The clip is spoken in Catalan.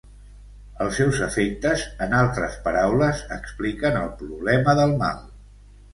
Els seus efectes, en altres paraules, expliquen el problema del mal.